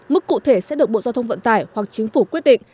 mức cụ thể sẽ được bộ giao thông vận tải hoặc chính phủ quyết định